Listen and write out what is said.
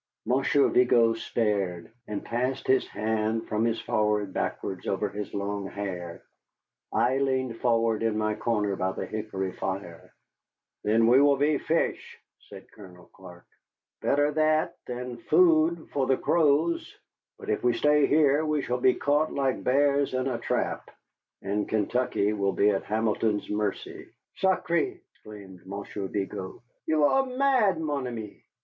Monsieur Vigo stared, and passed his hand from his forehead backwards over his long hair. I leaned forward in my corner by the hickory fire. "Then we will be fish," said Colonel Clark. "Better that than food for the crows. For, if we stay here, we shall be caught like bears in a trap, and Kentucky will be at Hamilton's mercy." "Sacré!" exclaimed Monsieur Vigo, "you are mad, mon ami.